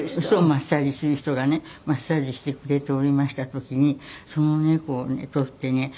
マッサージする人がねマッサージしてくれておりました時にその猫をね取ってね